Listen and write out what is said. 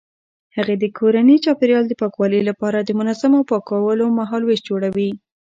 هغې د کورني چاپیریال د پاکوالي لپاره د منظمو پاکولو مهالویش جوړوي.